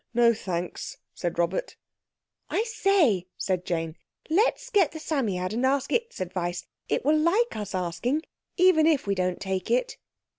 No thanks," said Robert. "I say," said Jane, "let's get the Psammead and ask its advice. It will like us asking, even if we don't take it."